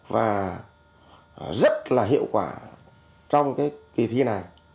và rất là hiệu quả trong cái kỳ thi này